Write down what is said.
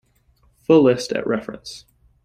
Full list at reference.